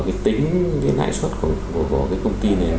cái tính cái lãi suất của cái công ty này